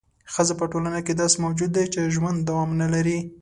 ښځه په ټولنه کې داسې موجود دی چې ژوند دوام نه لري.